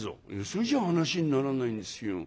「それじゃあ話にならないんですよ。